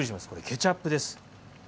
ケチャップです。